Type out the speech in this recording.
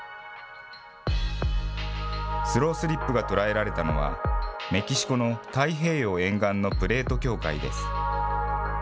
スロースリップが捉えられたのは、メキシコの太平洋沿岸のプレート境界です。